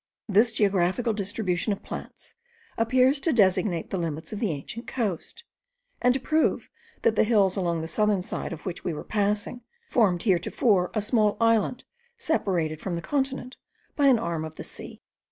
This geographical distribution of plants appears to designate the limits of the ancient coast, and to prove that the hills along the southern side of which we were passing, formed heretofore a small island, separated from the continent by an arm of the sea.